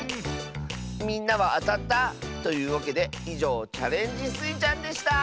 みんなはあたった？というわけでいじょう「チャレンジスイちゃん」でした！